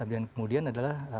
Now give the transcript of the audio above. dan kemudian adalah